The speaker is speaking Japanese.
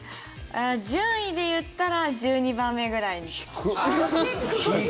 順位で言ったら１２番目ぐらいに。低っ！